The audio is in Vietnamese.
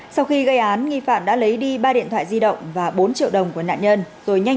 sau khi gây án nghi phạm đã lấy đi ba điện thoại di động và bốn triệu đồng của nạn nhân rồi nhanh